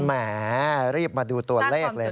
แหมรีบมาดูตัวเลขเลยนะ